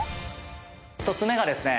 １つ目がですね。